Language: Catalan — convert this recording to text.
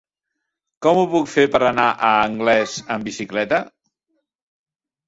Com ho puc fer per anar a Anglès amb bicicleta?